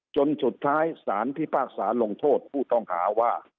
จนสุดท้ายสารพิพากษาลงโทษผู้ต้องหาว่า